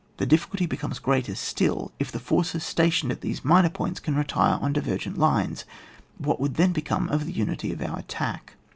The di&culty becomes still greater if the forces stationed at these minor points can retire on divergent lines. — What would then become of the unity of our attack?